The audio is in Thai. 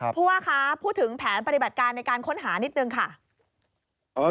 ผู้ว่าคะพูดถึงแผนปฏิบัติการในการค้นหานิดนึงค่ะ